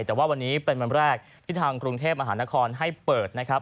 แต่ว่าวันนี้เป็นวันแรกที่ทางกรุงเทพมหานครให้เปิดนะครับ